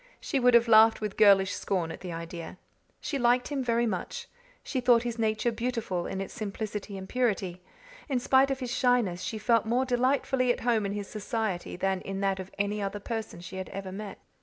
She would have laughed with girlish scorn at the idea. She liked him very much; she thought his nature beautiful in its simplicity and purity; in spite of his shyness she felt more delightfully at home in his society than in that of any other person she had ever met.